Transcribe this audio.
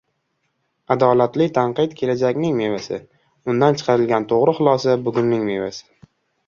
Adolatli tanqid — kelajakning mevasi, undan chiqarilgan to‘g‘ri xulosa — bugunning mevasi.